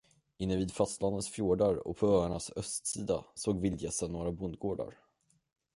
Inne vid fastlandets fjordar och på öarnas östsida såg vildgässen några bondgårdar.